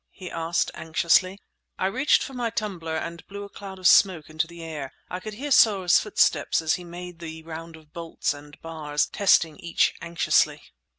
he asked anxiously. I reached for my tumbler and blew a cloud of smoke into the air. I could hear Soar's footsteps as he made the round of bolts and bars, testing each anxiously.